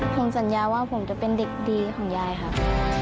ผมสัญญาว่าผมจะเป็นเด็กดีของยายครับ